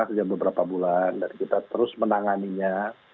sejak beberapa bulan dan kita terus menanganinya